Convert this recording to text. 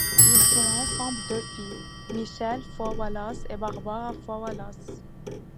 Ils ont ensemble deux filles, Michele Foi Wallace et Barbara Foi Wallace.